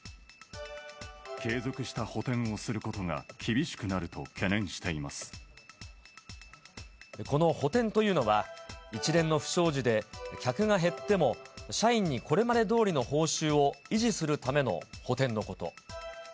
継続した補填をすることが、この補填というのは、一連の不祥事で客が減っても社員にこれまでどおりの報酬を維持するための補填のこと。